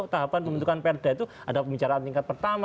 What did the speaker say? tahapan pembentukan perda itu ada pembicaraan tingkat pertama